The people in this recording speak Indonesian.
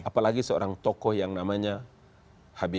apalagi seorang tokoh yang namanya habib